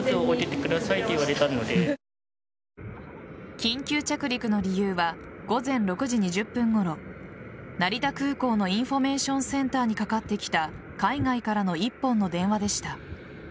緊急着陸の理由は午前６時２０分ごろ成田空港のインフォメーションセンターにかかってきた海外からの一本の電話でした。